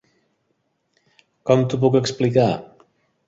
Com t'ho puc explicar?